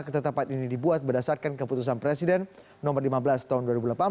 ketetapan ini dibuat berdasarkan keputusan presiden nomor lima belas tahun dua ribu delapan belas